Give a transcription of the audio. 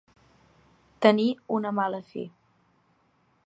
Tenir una mala fi.